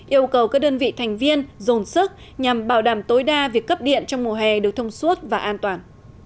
yêu cầu các đơn vị thành viên dồn sức nhằm bảo đảm tối đa việc cấp điện trong mùa hè được thông suốt và an toàn